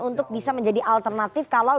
untuk bisa menjadi alternatif kalau